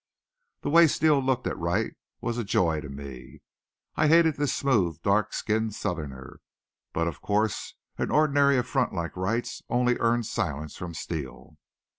The way Steele looked at Wright was joy to me. I hated this smooth, dark skinned Southerner. But, of course, an ordinary affront like Wright's only earned silence from Steele.